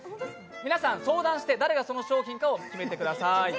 皆さん、相談して、誰がその商品かを決めてください。